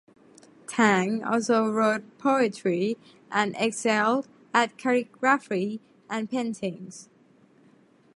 Tang also wrote poetry and excelled at calligraphy and paintings.